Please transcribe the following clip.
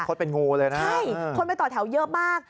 เป็นงูเลยนะใช่คนไปต่อแถวเยอะมาก